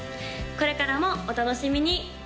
これからもお楽しみに！